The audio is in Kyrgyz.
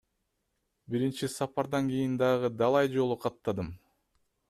Биринчи сапардан кийин дагы далай жолу каттадым.